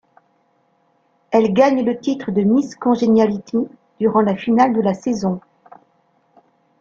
Elle gagne le titre de Miss Congeniality durant la finale de la saison.